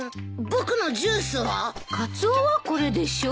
カツオはこれでしょう？